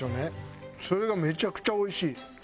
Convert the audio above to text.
それがめちゃくちゃおいしい。